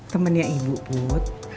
temennya ibu put